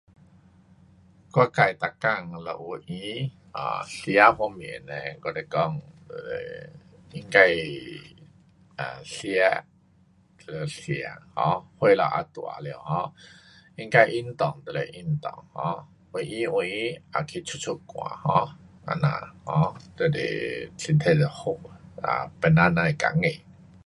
我自己每天若有空，吃方面呢我是讲 um 应该吃就吃 um 岁数也大了，um 应该有的就得运动。um 有空有空也去出出汗 um 这样 um 就是身体要好，um 别人甭当心。